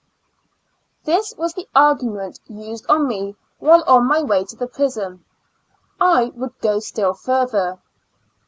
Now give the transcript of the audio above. This was the argument used on me while on my way to the prison. I would go still further.